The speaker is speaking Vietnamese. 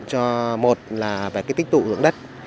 cho một là tích tụ dưỡng đất